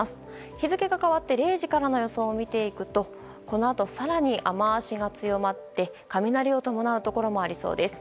日付が変わって０時からの予想を見ていくとこのあと更に雨脚が強まって雷を伴うところもありそうです。